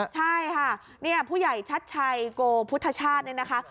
ใช่ค่ะเนี่ยผู้ใหญ่ชัดชัยโกพุทธชาติเนี่ยนะคะ